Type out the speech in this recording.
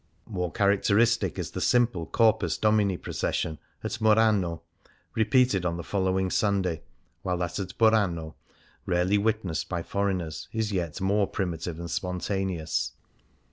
More characteristic is the simple Corpus Domini procession at Murano, repeated on the following Sunday ; while that at Burano, rarely witnessed by foreigners, is yet more primitive and spontaneous.